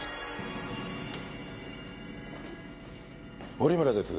森村です。